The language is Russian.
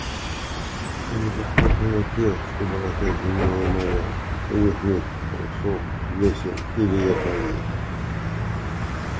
не похожи на те, что бороздят земные моря, у них нет парусов, весел или